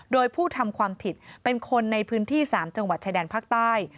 โดยผู้ทำความผิดเป็นคนในพื้นที่๓จังหวัดชายแดนภาคใต้